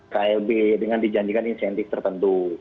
klb dengan dijanjikan insentif tertentu